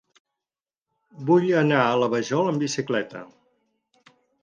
Vull anar a la Vajol amb bicicleta.